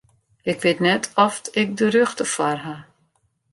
Ik wit net oft ik de rjochte foar haw.